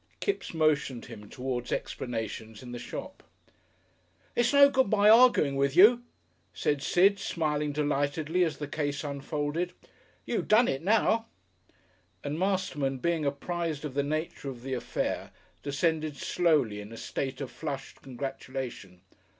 Kipps motioned him towards explanations in the shop.... "It's no good, my arguing with you," said Sid, smiling delightedly as the case unfolded. "You done it now." And Masterman being apprised of the nature of the affair descended slowly in a state of flushed congratulation.